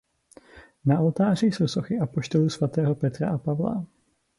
Na oltáři jsou sochy apoštolů svatého Petra a Pavla.